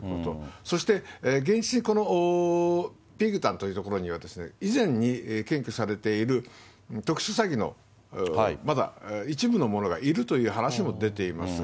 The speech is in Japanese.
そして、現実に、このビクタンという所には、以前に検挙されている特殊詐欺の、まだ一部の者がいるという話も出ています。